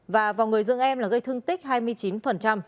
và vào người dưỡng em là gây thương tích hai mươi chín